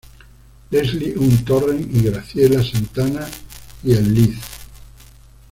Leslie Ung Torrens, Graciela Santana y el Lic.